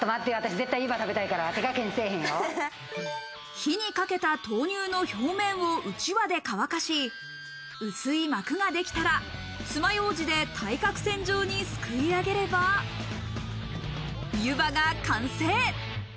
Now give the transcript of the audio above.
火にかけた豆乳の表面をうちわで乾かし、薄い膜ができたらつまようじで対角線上にすくい上げれば、ゆばが完成。